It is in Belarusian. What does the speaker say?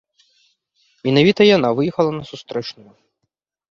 Менавіта яна выехала на сустрэчную.